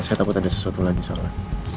saya takut ada sesuatu lagi soalnya